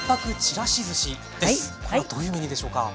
これはどういうメニューでしょうか？